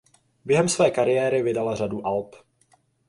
Během své kariéry vydala řadu alb.